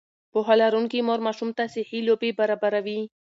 پوهه لرونکې مور ماشوم ته صحي لوبې برابروي.